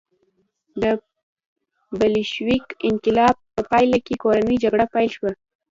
د بلشویک انقلاب په پایله کې کورنۍ جګړه پیل شوه